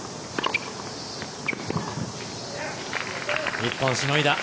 １本、しのいだ。